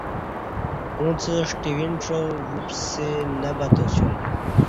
اُݩڅ ݜٹوینڄا وُپسےنہ بتاسیوم